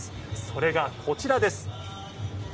それが、こちらです。